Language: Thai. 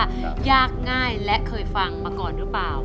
ยากง่ายและเคยฟังมาก่อนหรือเปล่า